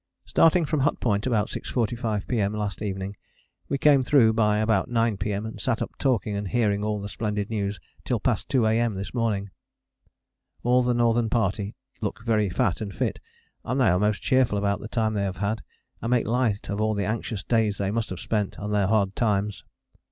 _ Starting from Hut Point about 6.45 P.M. last evening, we came through by about 9 P.M., and sat up talking and hearing all the splendid news till past 2 A.M. this morning. All the Northern Party look very fat and fit, and they are most cheerful about the time they have had, and make light of all the anxious days they must have spent and their hard times.